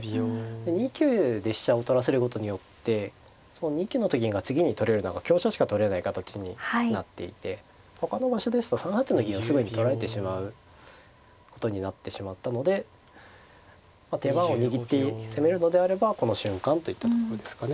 ２九で飛車を取らせることによってその２九のと金が次に取れるのが香車しか取れない形になっていてほかの場所ですと３八の銀をすぐに取られてしまうことになってしまったので手番を握って攻めるのであればこの瞬間といったところですかね。